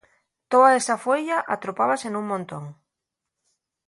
Toa esa fueya atropábase nun montón.